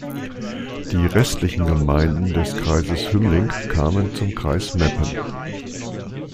Die restlichen Gemeinden des Kreises Hümmling kamen zum Kreis Meppen.